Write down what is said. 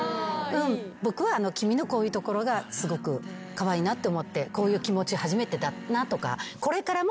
僕は君のこういうところがすごくカワイイなって思ってこういう気持ち初めてだなとかこれからも。